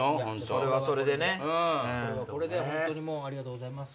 これはこれで本当にありがとうございます。